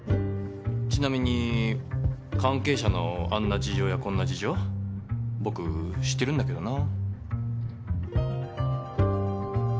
ちなみに関係者のあんな事情やこんな事情僕知ってるんだけどな。